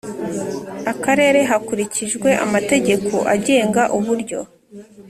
Akarere hakurikijwe amategeko agenga uburyo